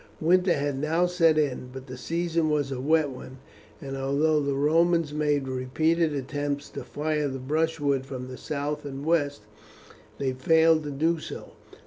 Winter had now set in, but the season was a wet one, and although the Romans made repeated attempts to fire the brushwood from the south and west, they failed to do so.